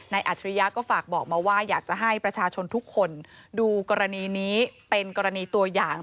อัจฉริยะก็ฝากบอกมาว่าอยากจะให้ประชาชนทุกคนดูกรณีนี้เป็นกรณีตัวอย่าง